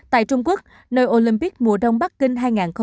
tại trung quốc nơi olympic mùa đông bắc kinh hai nghìn hai mươi